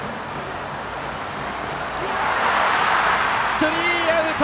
スリーアウト！